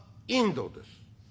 「インドです」。